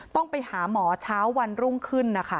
ต้องไปหาหมอเช้าวันรุ่งขึ้นนะคะ